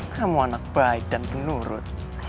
kamu anak baik dan penurut